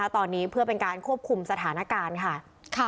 ตอนนี้เพื่อเป็นการควบคุมสถานการณ์ค่ะ